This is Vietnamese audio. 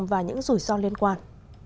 và những rủi ro liên quan